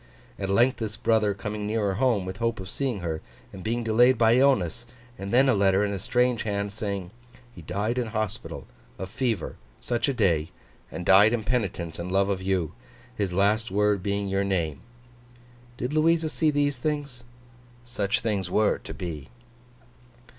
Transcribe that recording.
At length this brother coming nearer home, with hope of seeing her, and being delayed by illness; and then a letter, in a strange hand, saying 'he died in hospital, of fever, such a day, and died in penitence and love of you: his last word being your name'? Did Louisa see these things? Such things were to be.